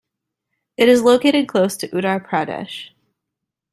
It is located close to Uttar Pradesh.